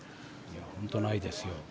本当にないですよ。